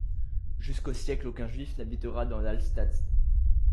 Jusqu'au siècle, aucun Juif n'habitera dans l'Alstadt.